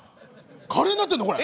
カレーになってるのこれ。